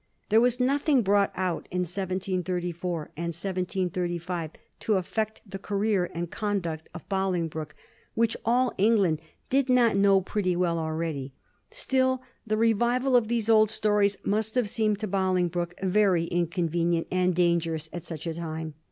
There was nothing brought oat in 1734 and 1735 to affect the career and conduct of Bolingbroke which all England did not know pretty well already. Still, the re vival of these old stories must have seemed to Bolingbroke very inconvenient and dangerous at such a time.